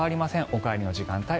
お帰りの時間帯